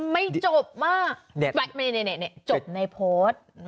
ไม่จบมากจบในโพสต์